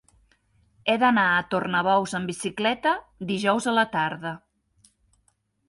He d'anar a Tornabous amb bicicleta dijous a la tarda.